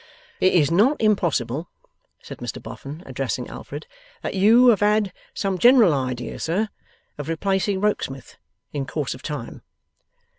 'It is not impossible,' said Mr Boffin, addressing Alfred, 'that you have had some general idea, sir, of replacing Rokesmith, in course of time?